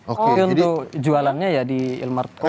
itu untuk jualannya ya di ilmar coffee